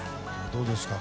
どうですか？